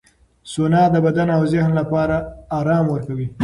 سونا د بدن او ذهن لپاره آرام ورکوي.